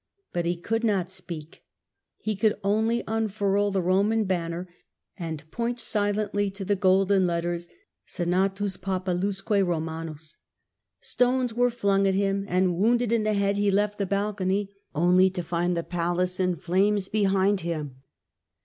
But he could not speak, he could only unfurl the Koman banner and point silently to the golden letters " Senatus populusque Eomanus ". Stones were flung at him, and wounded in the head he left the balcony, only to find the palace in flames behind him.